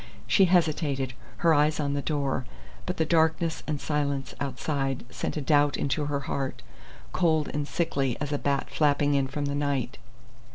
She hesitated, her eyes on the door; but the darkness and silence outside sent a doubt into her heart, cold and sickly as a bat flapping in from the night.